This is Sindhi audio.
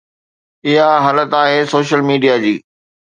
اها حالت آهي سوشل ميڊيا جي.